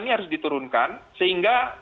ini harus diturunkan sehingga